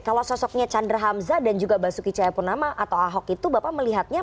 kalau sosoknya chandra hamzah dan juga basuki cahayapunama atau ahok itu bapak melihatnya